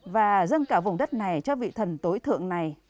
và dâng cả vùng đất này cho thánh địa mỹ sơn